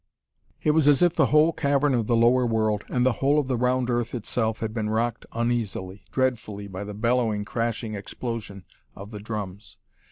It was as if the whole cavern of the lower world, and the whole of the round earth itself, had been rocked uneasily, dreadfully by the bellowing, crashing explosion of the drums.